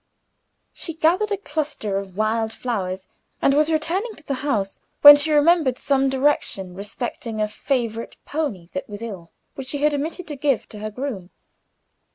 She gathered a cluster of wild flowers, and was returning to the house, when she remembered some directions respecting a favorite pony that was ill, which she had omitted to give to her groom.